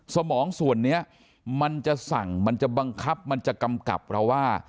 สมองส่วนนี้มันจะสั่งมันจะบังคับมันจะกำกับเราว่า